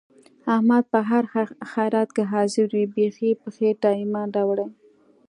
احمد په هر خیرات کې حاضر وي. بیخي یې په خېټه ایمان راوړی.